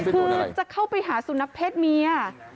คือจะเข้าไปหาสุนัขเพศเมีย